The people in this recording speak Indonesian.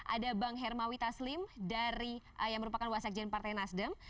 ada bang hermawi taslim yang merupakan wasakjen partai nasdem